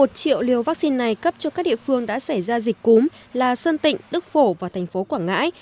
một triệu liều vaccine này cấp cho các địa phương đã xảy ra dịch cúm là sơn tịnh đức phổ và thành phố quảng ngãi